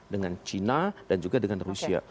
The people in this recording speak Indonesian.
dengan china dan juga dengan rusia